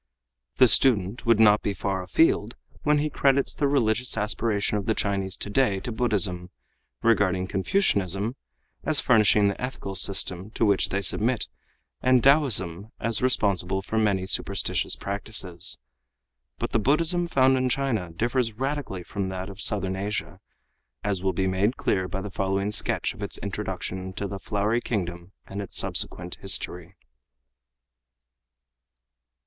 The student would not be far afield when he credits the religious aspirations of the Chinese today to Buddhism, regarding Confucianism as furnishing the ethical system to which they submit and Taoism as responsible for many superstitious practices. But the Buddhism found in China differs radically from that of Southern Asia, as will be made clear by the following sketch of its introduction into the Flowery Kingdom and its subsequent history.